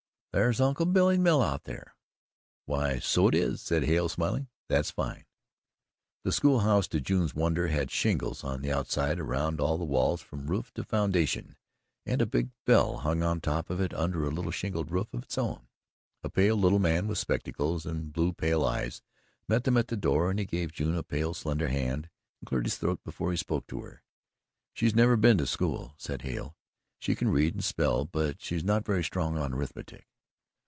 "That's Uncle Billy's mill out thar." "Why, so it is," said Hale smiling. "That's fine." The school house, to June's wonder, had shingles on the OUTSIDE around all the walls from roof to foundation, and a big bell hung on top of it under a little shingled roof of its own. A pale little man with spectacles and pale blue eyes met them at the door and he gave June a pale, slender hand and cleared his throat before he spoke to her. "She's never been to school," said Hale; "she can read and spell, but she's not very strong on arithmetic."